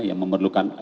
yang memerlukan operasi